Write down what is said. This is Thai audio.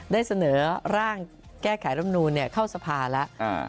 ได้เสนอร่างแก้ไขรำนูนเข้าสภาแล้ว